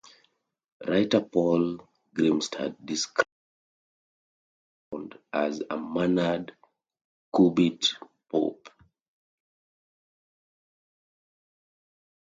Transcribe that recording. Writer Paul Grimstad described the album's sound as a mannered cubist pop.